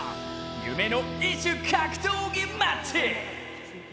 夢の異種格闘技マッチ！